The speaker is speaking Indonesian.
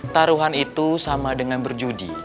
taruhan itu sama dengan berjudi